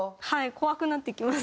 怖くなってきます。